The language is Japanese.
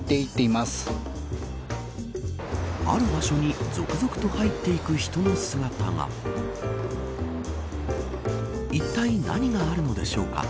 ある場所に続々と入っていく人の姿がいったい何があるのでしょうか。